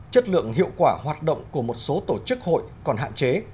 chất lượng hiệu quả hoạt động của một số tổ chức hội còn hạn chế